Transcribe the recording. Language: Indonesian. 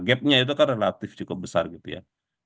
gapnya itu kan relatif cukup besar gitu ya